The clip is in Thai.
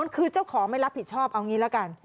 คือเจ้าของไม่รับผิดชอบเอางี้ละกัน